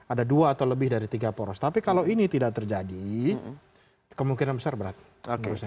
ada dua atau lebih dari tiga poros tapi kalau ini tidak terjadi kemungkinan besar berat menurut saya